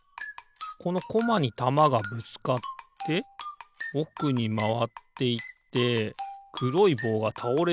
このコマにたまがぶつかっておくにまわっていってくろいぼうがたおれそうだな。